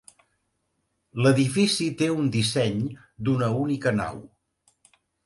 L'edifici té un disseny d'una única nau.